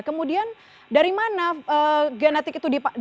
kemudian dari mana genetik itu di